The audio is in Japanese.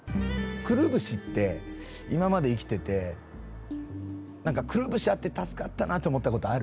くるぶしって今まで生きててなんかくるぶしあって助かったなって思った事ある？